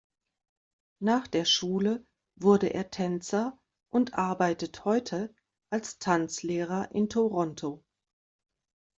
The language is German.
Nach der Schule wurde er Tänzer und arbeitet heute als Tanzlehrer in Toronto.